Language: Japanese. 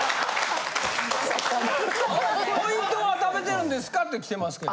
ポイントは貯めてるんですかって来てますけど。